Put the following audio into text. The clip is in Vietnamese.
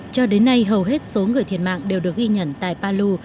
cho đến nay hầu hết số người thiệt mạng đều được ghi nhận tại palu